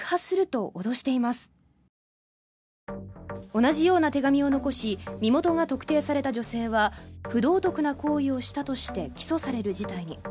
同じような手紙を残し身元が特定された女性は不道徳な行為をしたとして起訴される事態に。